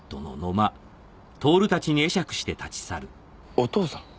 お父さん？